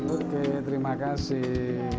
oke terima kasih